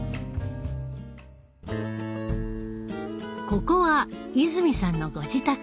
ここは泉さんのご自宅。